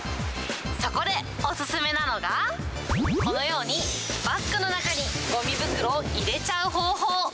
そこでお勧めなのが、このようにバッグの中にごみ袋を入れちゃう方法。